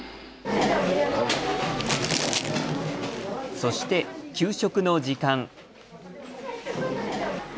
そして給食の時間。